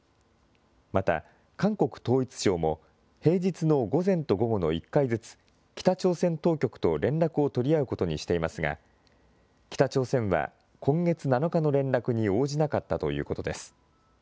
また、韓国統一省も平日の午前と午後の１回ずつ、北朝鮮当局と連絡を取り合うことにしていますが、北朝鮮は、今月７日の連絡に応じなかったということです。